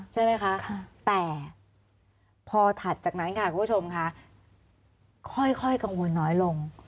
ใช่ไหมคะแต่พอถัดจากนั้นค่ะคุณผู้ชมค่ะค่อยกังวลน้อยลง